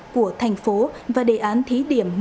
của thành phố và đề án thí điểm